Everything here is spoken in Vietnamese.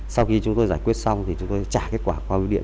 sau khi chúng tôi giải quyết xong thì chúng tôi trả kết quả qua biêu điện